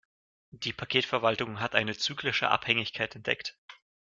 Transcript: Die Paketverwaltung hat eine zyklische Abhängigkeit entdeckt.